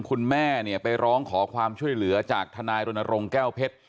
คุณแม่เนี่ยไปร้องขอความช่วยเหลือจากทนายรณรงค์แก้วเพชร